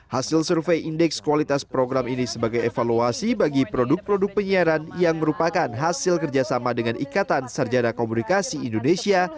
hasil survei indeks kualitas program ini sebagai evaluasi bagi produk produk penyiaran yang merupakan hasil kerjasama dengan ikatan sarjana komunikasi indonesia